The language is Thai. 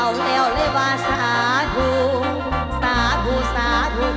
เอาแล้วเลยว่าสาธุสาธุสาธุ